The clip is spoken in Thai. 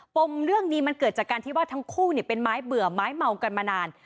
มเรื่องนี้มันเกิดจากการที่ว่าทั้งคู่เป็นไม้เบื่อไม้เมากันมานาน